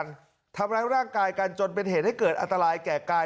ตั้งไปการพังเรียกราบรักร่างกายการจนเป็นเหตุให้เกิดอัตรายแก่คาย